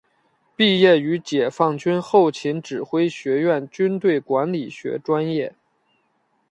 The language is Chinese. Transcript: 毕业于解放军后勤指挥学院军队管理学专业。